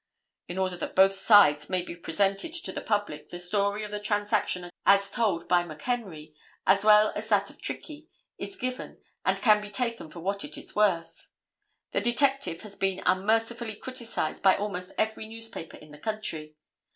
In order that both sides may be presented to the public the story of the transaction as told by McHenry as well as that of Trickey is given and can be taken for what it is worth. The detective has been unmercifully criticised by almost every newspaper in the country.